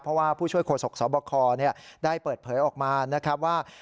เพราะว่าผู้ช่วยโฆษกสบคได้เปิดเผยออกมานะครับว่า